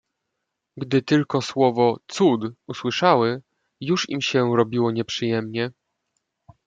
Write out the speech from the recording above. "Gdy tylko słowo „cud“ usłyszały, już im się robiło nieprzyjemnie."